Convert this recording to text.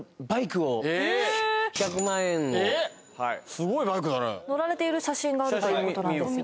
ええっすごいバイクだね乗られている写真があるということなんですよ